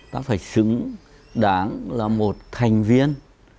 ta phải xứng đáng là một thành viên